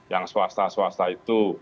yang swasta swasta itu